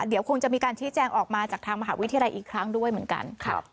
เดี๋ยวคงจะมีการชี้แจงออกมาจากทางมหาวิทยาลัยอีกครั้งด้วยเหมือนกัน